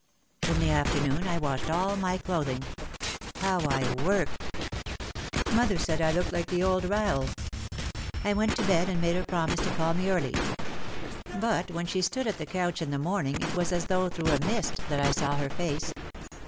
In the afternoon I washed all my clothing. How I worked ! Mother said I looked like the old Rahel. I went to bed and made her promise to call me early. But when she stood at the couch in the morning it was as though through a mist that I saw her face.